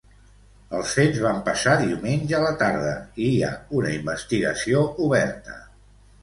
Els fets van passar diumenge a la tarda i hi ha una investigació oberta.